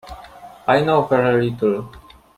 I know very little.